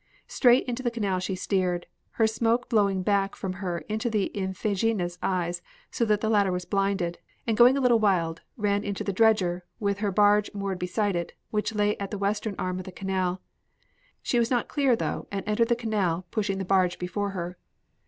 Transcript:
Straight into the canal she steered, her smoke blowing back from her into the Iphigenia's eyes so that the latter was blinded, and going a little wild, ran into the dredger, with her barge moored beside it, which lay at the western arm of the canal. She was not clear though, and entered the canal, pushing the barge before her.